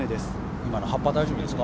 今の葉っぱ大丈夫ですか？